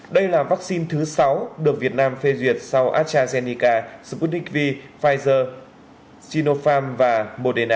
đây là vaccine thứ sáu được việt nam phê duyệt sau astrazeneca sputnik v pfizer sinopharm và moderna